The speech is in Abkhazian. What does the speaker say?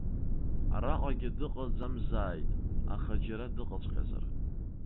Араҟагьы дыҟаӡамзааит, аха џьара дыҟаҵәҟьазар.